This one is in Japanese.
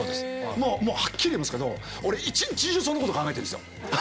もうもうはっきり言いますけど俺一日中そのこと考えてるんですよ。